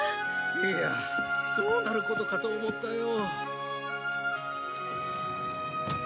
いやあどうなることかと思ったよ。